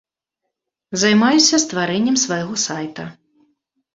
Займаюся стварэннем свайго сайта.